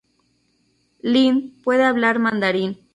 Lin puede hablar mandarín.